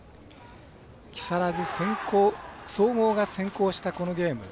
木更津総合が先行したゲーム。